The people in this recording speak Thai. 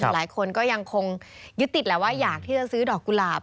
หลายคนก็ยังคงยึดติดแหละว่าอยากที่จะซื้อดอกกุหลาบ